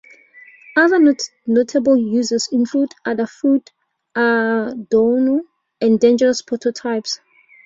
Other notable users include Adafruit, Arduino and Dangerous Prototypes.